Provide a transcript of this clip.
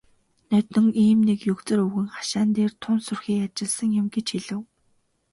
"Ноднин ийм нэг егзөр өвгөн хашаан дээр тун сүрхий ажилласан юм" гэж хэлэв.